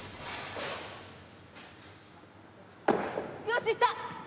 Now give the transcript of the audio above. よしいった！